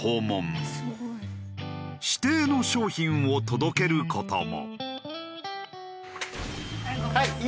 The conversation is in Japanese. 指定の商品を届ける事も。